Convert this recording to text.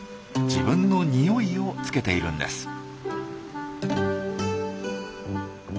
自分のにおいをつけているんです。